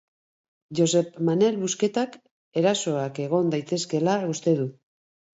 Josep Manel Busquetak erasoak egon daitezkeela uste du.